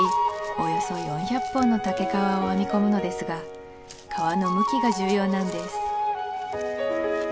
およそ４００本の竹皮を編み込むのですが皮の向きが重要なんです